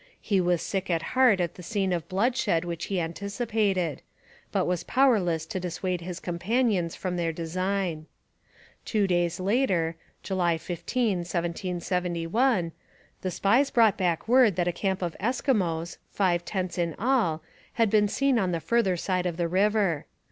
He was sick at heart at the scene of bloodshed which he anticipated, but was powerless to dissuade his companions from their design. Two days later (July 15, 1771), the spies brought back word that a camp of Eskimos, five tents in all, had been seen on the further side of the river.